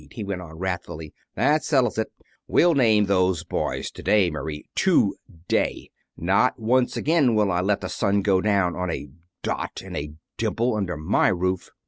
he went on wrathfully. "That settles it. We'll name those boys to day, Marie, to day! Not once again will I let the sun go down on a Dot and a Dimple under my roof."